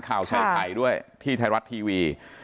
ข่าวเฉาไทยด้วยที่ไทยรัสทีวี